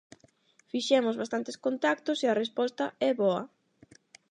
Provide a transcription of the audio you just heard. Fixemos bastantes contactos e a resposta é boa.